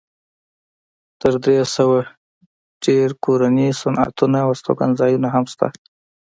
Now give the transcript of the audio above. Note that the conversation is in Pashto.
تر درې سوه ډېر کورني صنعتونه او هستوګنځایونه هم شته.